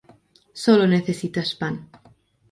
Solo necesitas pan